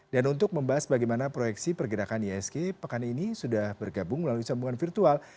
dan untuk membahas bagaimana proyeksi pergerakan isg pekan ini sudah bergabung melalui sambungan virtual